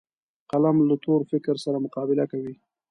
قلم له تور فکر سره مقابل کوي